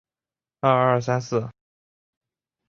国家能源委员会办公室的工作由国家能源局承担。